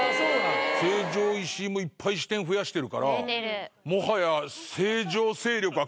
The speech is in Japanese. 成城石井もいっぱい支店増やしてるからもはや。